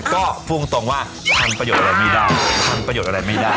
ก็พูดตรงว่าทำประโยชน์อะไรไม่ได้ทำประโยชน์อะไรไม่ได้